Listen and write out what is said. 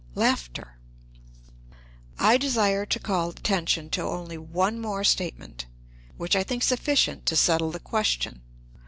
I desire to call attention to only one more statement, which I think sufficient to settle the question.